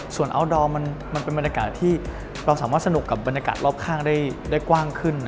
ส่วนอัลดอร์มันเป็นบรรยากาศที่เราสามารถสนุกกับบรรยากาศรอบข้างได้กว้างขึ้น